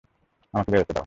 আমাকে বেরোতে দাও!